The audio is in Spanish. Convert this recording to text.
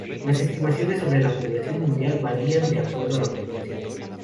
Las estimaciones sobre la población mundial varían de acuerdo a la publicación.